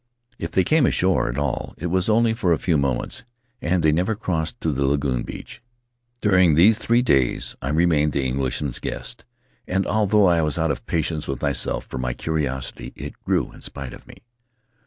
If they came ashore at all it was only for a few mo ments, and they never crossed to the lagoon beach. During these three days I remained the Englishman's guest, and although I was out of patience with myself for my curiosity, it grew in spite of me.